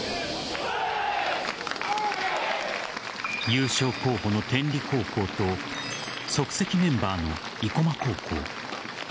優勝候補の天理高校と即席メンバーの生駒高校。